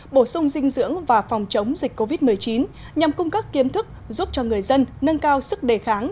bổ sung dinh dưỡng và phòng chống dịch covid một mươi chín nhằm cung cấp kiến thức giúp cho người dân nâng cao sức đề kháng